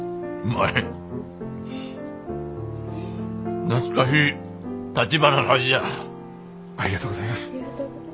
ありがとうございます。